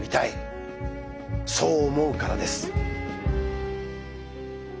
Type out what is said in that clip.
そう思うからです。